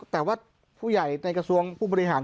แต่ว่าผู้ใหญ่ในกระทรวงผู้บริหาร